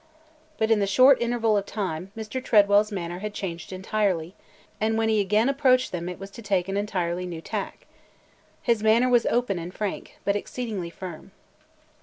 But in the short interval of time, Mr. Tredwell's manner had changed entirely, and when he again approached them it was to take an entirely new tack. His manner was open and frank, but exceedingly firm.